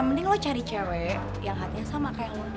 mending lu cari cewek yang hatinya sama kayak lu